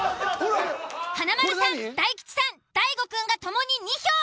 華丸さん大吉さん大悟くんが共に２票。